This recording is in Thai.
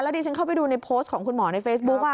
ดิฉันเข้าไปดูในโพสต์ของคุณหมอในเฟซบุ๊ก